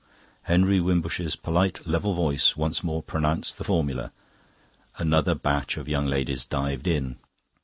Henry Wimbush's polite level voice once more pronounced the formula. Another batch of young ladies dived in.